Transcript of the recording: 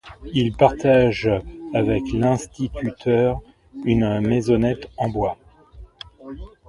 Il partageait avec l'instituteur une maisonnette en bois.